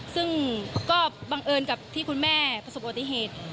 ซึ่งก็บังเอิญกับที่คุณแม่ประสบอุบัติเหตุ